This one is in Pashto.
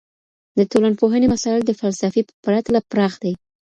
د ټولنپوهني مسایل د فلسفې په پرتله پراخ دي.